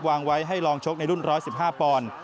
วางไว้ให้ลองชกในรุ่น๑๑๕ปอนด์